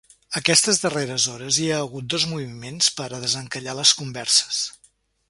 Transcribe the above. Aquestes darreres hores hi ha hagut dos moviments per a desencallar les converses.